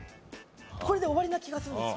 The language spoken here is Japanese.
これで終わりな気がするんですよね。